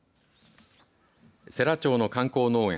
世羅町の観光農園